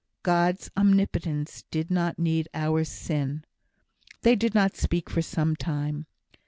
"God's omnipotence did not need our sin." They did not speak for some time.